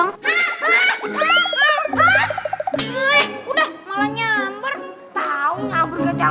kamu gimana sih ah jangan terang terang